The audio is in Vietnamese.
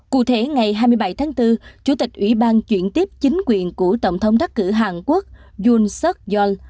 cụ thể ngày hai mươi bảy tháng bốn chủ tịch ủy ban chuyển tiếp chính quyền của tổng thống đắc cử hàn quốc yoon seok yol